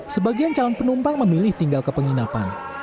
sebagian calon penumpang memilih tinggal ke penginapan